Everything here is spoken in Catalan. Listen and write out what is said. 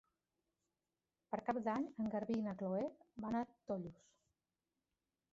Per Cap d'Any en Garbí i na Chloé van a Tollos.